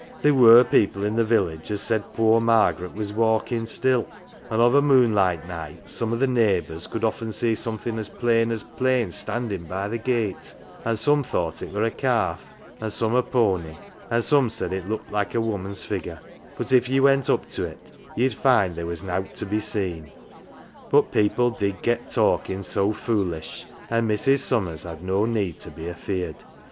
There were people in the village as said poor Margaret was walkin' still an' of a moonlight night some o' th' neighbours could often see somethin' as plain as plain standin' by the gate, an 1 some thought it were a calf, an" 1 some a pony, an" 1 some said it looked like a woman's figure; but if ye went up to it, ye'd find there was nowt to be seen. But people did get talkin' so foolish, an' Mrs. Summers had no need to be af eared.